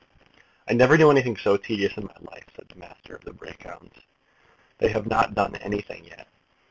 "I never knew anything so tedious in my life," said the Master of the Brake hounds. "They have not done anything yet."